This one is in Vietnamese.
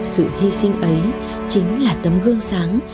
sự hy sinh ấy chính là tấm gương sáng